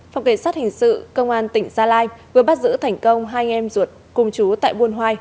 phòng cảnh sát hình sự công an tỉnh gia lai vừa bắt giữ thành công hai anh em ruột cùng chú tại buôn hoai